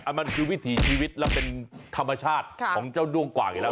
มันคือวิถีชีวิตและเป็นธรรมชาติของเจ้าด้วงกว่างอยู่แล้ว